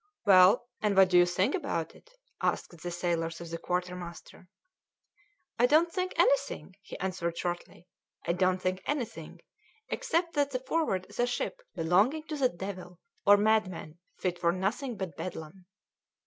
"Well, and what do you think about it?" asked the sailors of the quartermaster. "I don't think anything," he answered shortly. "I don't think anything, except that the Forward is a ship belonging to the devil, or madmen fit for nothing but Bedlam."